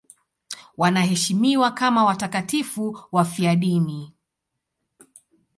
Wanaheshimiwa kama watakatifu wafiadini.